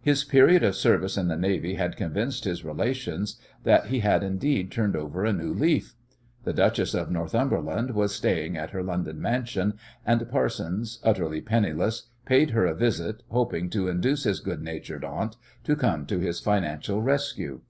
His period of service in the navy had convinced his relations that he had indeed turned over a new leaf. The Duchess of Northumberland was staying at her London mansion, and Parsons, utterly penniless, paid her a visit, hoping to induce his good natured aunt to come to his financial rescue.